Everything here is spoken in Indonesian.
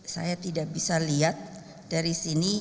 saya tidak bisa lihat dari sini